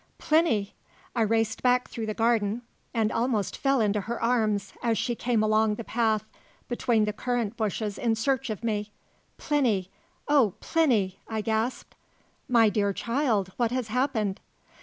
"Plinny!" I raced back through the garden, and almost fell into her arms as she came along the path between the currant bushes in search of me. "Plinny oh, Plinny!" I gasped. "My dear child, what has happened?"